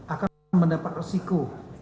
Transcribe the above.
akan mendapat resiko